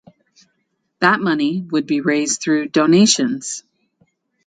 That money would be raised through donations.